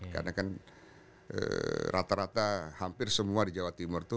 karena kan rata rata hampir semua di jawa timur itu